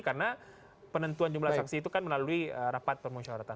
karena penentuan jumlah saksi itu kan melalui rapat permusyawaratan